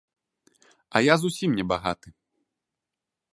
А я зусім не багаты.